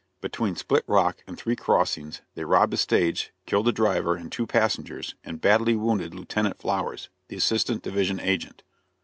Between Split Rock and Three Crossings they robbed a stage, killed the driver and two passengers, and badly wounded Lieut. Flowers, the assistant division agent.